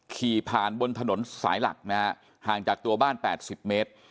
ขี่ผ่านบนถนนสายหลักนะฮะห่างจากตัวบ้าน๘๐เมตร